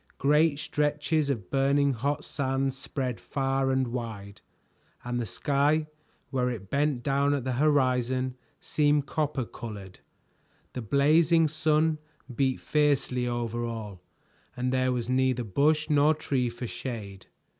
Great stretches of burning hot sands spread far and wide, and the sky, where it bent down at the horizon, seemed copper colored. The blazing sun beat fiercely over all, and there was neither bush nor tree for shade.